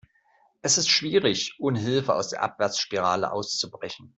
Es ist schwierig, ohne Hilfe aus der Abwärtsspirale auszubrechen.